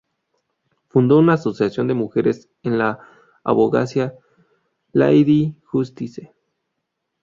Fundó una asociación de mujeres en la abogacía, Lady Justice.